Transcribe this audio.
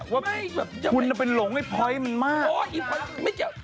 ว่าคุณจะเป็นหลงไอ้พลอยมันมาก